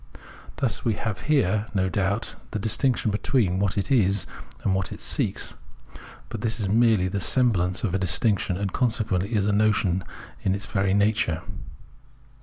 Thus we have here, no doubt, the distinction between what it is and what it seeks ; but this is merely the semblance of a distinction, and consequently it is a notion in its very nature.